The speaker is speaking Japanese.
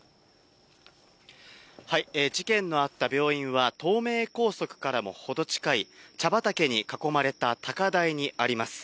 事件のあった病院は、東名高速からも程近い、茶畑に囲まれた高台にあります。